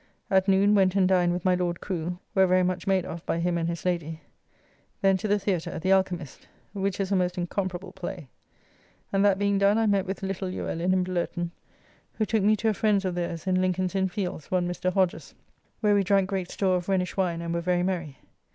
At noon went and dined with my Lord Crew, where very much made of by him and his lady. Then to the Theatre, "The Alchymist," [Comedy by Ben Jonson, first printed in 1612.] which is a most incomparable play. And that being done I met with little Luellin and Blirton, who took me to a friend's of theirs in Lincoln's Inn fields, one Mr. Hodges, where we drank great store of Rhenish wine and were very merry.